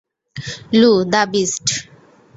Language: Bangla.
লু, দ্য বিস্ট।